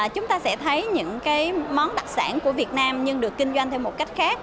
chúng ta sẽ thấy những cái món đặc sản của việt nam nhưng được kinh doanh theo một cách khác